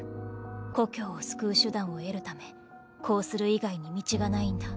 「故郷を救う手段を得るためこうする以外に道はないんだ」。